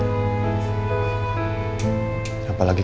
sengaja saat itu